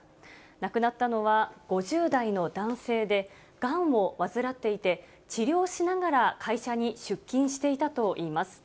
亡くなったのは５０代の男性で、がんを患っていて、治療しながら会社に出勤していたといいます。